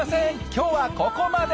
今日はここまで。